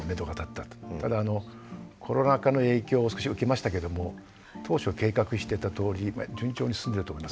ただコロナ禍の影響を少し受けましたけれども当初計画してたとおり順調に進んでると思いますね。